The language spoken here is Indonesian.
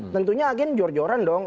tentunya agen jor joran dong